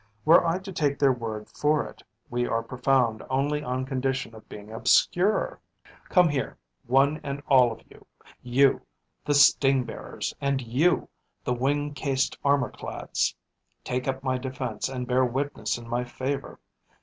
Were I to take their word for it, we are profound only on condition of being obscure. Come here, one and all of you you, the sting bearers, and you, the wing cased armor clads take up my defense and bear witness in my favor.